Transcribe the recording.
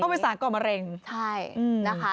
เป็นสารก่อมะเร็งใช่นะคะ